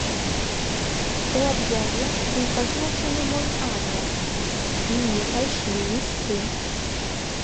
У аб'яве быў пазначаны мой адрас, і мне пайшлі лісты.